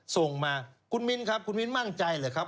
ส่งมาคุณมิ้นครับคุณมิ้นมั่นใจเหรอครับ